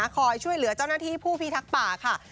คอยช่วยเหลือเจ้าหน้าที่ผู้พิทักษ์ป่าค่ะ